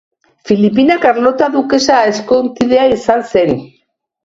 Filipina Karlota dukesa ezkontidea izan zen.